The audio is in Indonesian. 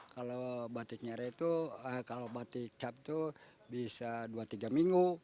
kalau batik nyere itu kalau batik cap itu bisa dua tiga minggu